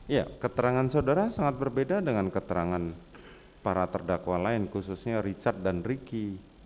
ya keterangan saudara sangat berbeda dengan keterangan para terdakwa lain khususnya richard dan ricky